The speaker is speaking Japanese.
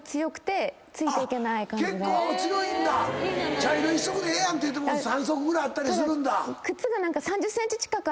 茶色１足でええやんって言うても３足ぐらいあったりするんだ。